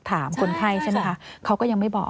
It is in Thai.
คนไข้ใช่ไหมคะเขาก็ยังไม่บอก